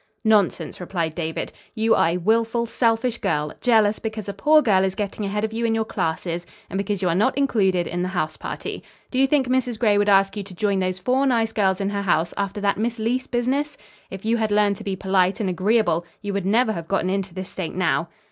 "Nonsense!" replied David. "You are a willful, selfish girl, jealous because a poor girl is getting ahead of you in your classes and because you are not included in the house party. Do you think Mrs. Gray would ask you to join those four nice girls in her house after that Miss Leece business? If you had learned to be polite and agreeable you would never have gotten into this state now."